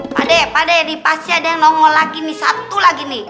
pade pade pasti ada yang nongol lagi nih satu lagi nih